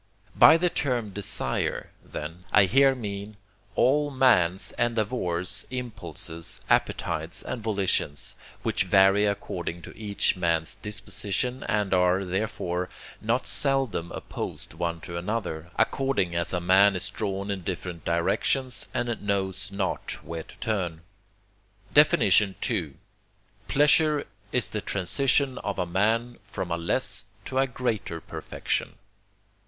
By the term desire, then, I here mean all man's endeavours, impulses, appetites, and volitions, which vary according to each man's disposition, and are, therefore, not seldom opposed one to another, according as a man is drawn in different directions, and knows not where to turn. II. Pleasure is the transition of a man from a less to a greater perfection.